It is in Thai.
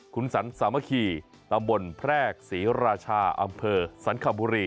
คุณศรรษามะขี่ประบทแพรกศรีราชาอำเภอศรรคาบุรี